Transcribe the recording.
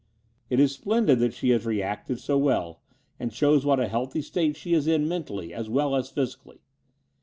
It is splendid that she has reacted so well, and shows what a healthy state she is in mentally as well as physically.